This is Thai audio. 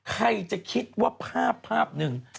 ใครจะคิดว่าภาพนึง